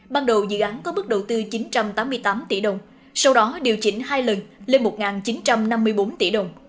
ban đầu dự án có mức đầu tư chín trăm tám mươi tám tỷ đồng sau đó điều chỉnh hai lần lên một chín trăm năm mươi bốn tỷ đồng